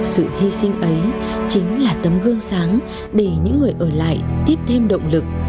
sự hy sinh ấy chính là tấm gương sáng để những người ở lại tiếp thêm động lực